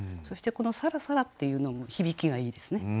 そしてこの「さらさら」っていうのも響きがいいですね。